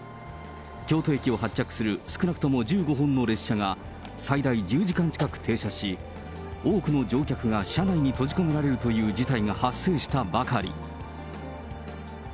京都駅を発着する少なくとも１５本の列車が最大１０時間近く停車し、多くの乗客が車内に閉じ込められるという事態が発生したばかり。